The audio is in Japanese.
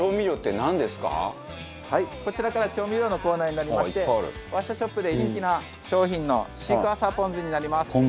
渡嘉敷さん：こちらから調味料のコーナーになりましてわしたショップで人気な商品のシークヮーサーぽんずになります。